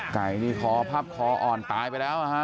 ไก่นี่คอพับคออ่อนตายไปแล้วนะฮะ